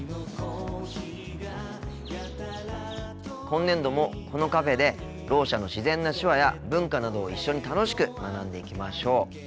今年度もこのカフェでろう者の自然な手話や文化などを一緒に楽しく学んでいきましょう。